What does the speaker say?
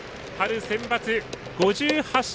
春センバツ２勝。